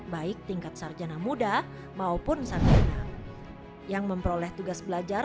baik tingkat sarjana muda maupun sarjana yang memperoleh tugas belajar